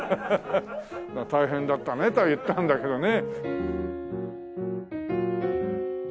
「大変だったね」とは言ったんだけどね。